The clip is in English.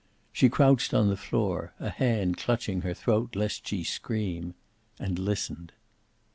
She crouched on the floor, a hand clutching her throat, lest she scream. And listened.